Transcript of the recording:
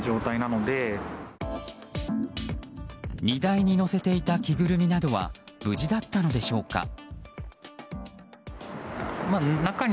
荷台に載せていた着ぐるみなどは無事だったのでしょうか。